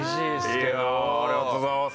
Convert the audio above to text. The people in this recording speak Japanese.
ありがとうございます。